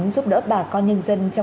giúp đỡ bà con nhân dân trong